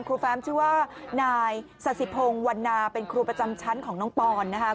แฟ้มชื่อว่านายสสิพงศ์วันนาเป็นครูประจำชั้นของน้องปอนนะคะ